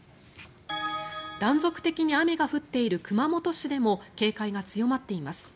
断続的に雨が降っている熊本市でも警戒が強まっています。